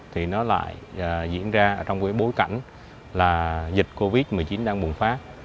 thì nó lại diễn ra trong bối cảnh dịch covid một mươi chín đang bùng phát